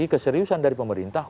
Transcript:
keseriusan dari pemerintah